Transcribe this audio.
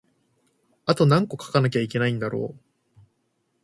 あとなんこ書かなきゃいけないのだろう